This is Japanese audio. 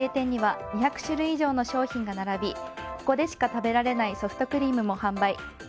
駅の直営店には２００種類以上の商品が並びここでしか食べられないソフトクリームも販売。